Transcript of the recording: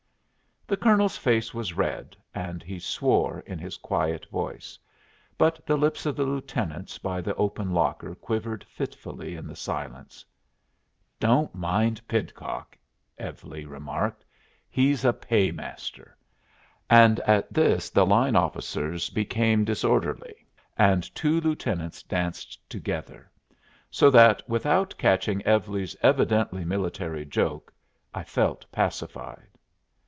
The Colonel's face was red, and he swore in his quiet voice; but the lips of the lieutenants by the open locker quivered fitfully in the silence. "Don't mind Pidcock," Evlie remarked. "He's a paymaster." And at this the line officers became disorderly, and two lieutenants danced together; so that, without catching Evlie's evidently military joke, I felt pacified.